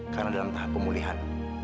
karena dalam tahap pemulihan